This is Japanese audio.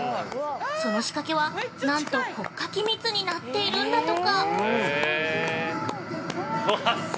その仕掛けは、なんと国家機密になっているんだとか。